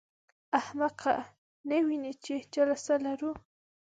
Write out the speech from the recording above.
احمقه! نه وینې چې جلسه لرو.